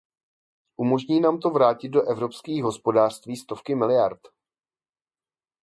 Umožní nám to vrátit do evropských hospodářství stovky miliard.